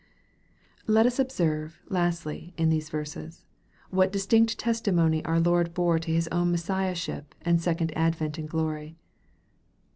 Let us observe, lastly, in these verses, what distinct tes timony our Lord bore to His own Messiahship, and second advent in glory.